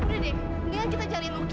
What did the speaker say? udah deh kita cari lucky